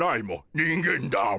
人間だモ。